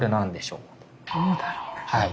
はい。